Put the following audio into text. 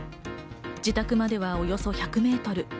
自宅まではおよそ１００メートル。